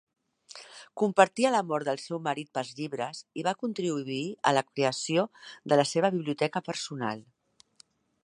Compartia l'amor del seu marit pels llibres i va contribuir a la creació de la seva biblioteca personal.